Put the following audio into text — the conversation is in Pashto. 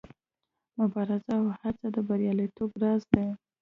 مبارزه او هڅه د بریالیتوب راز دی.